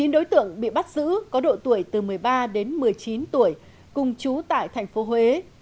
chín đối tượng bị bắt giữ có độ tuổi từ một mươi ba đến một mươi chín tuổi cùng chú tại tp huế